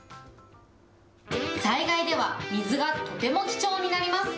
災害では、水がとても貴重になります。